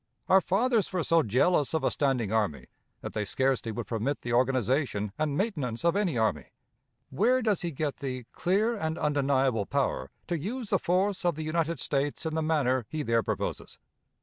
Our fathers were so jealous of a standing army, that they scarcely would permit the organization and maintenance of any army! Where does he get the "clear and undeniable" power to use the force of the United States in the manner he there proposes?